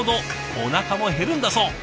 おなかも減るんだそう。